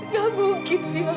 gak mungkin mira